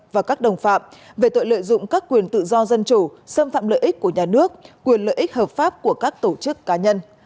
và các đồng phạm về tội lợi dụng các quyền tự do dân chủ xâm phạm lợi ích của nhà nước quyền lợi ích hợp pháp của các tổ chức cá nhân